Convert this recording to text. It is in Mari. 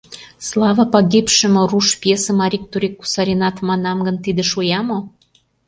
«Слава погибшему» руш пьесым арик-турик кусаренат манынам гын, тиде шоя мо?